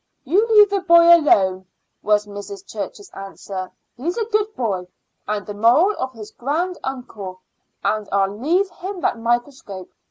"You leave the boy alone," was Mrs. Church's answer. "He's a good boy, and the moral of his grand uncle; and I'll leave him that microscope.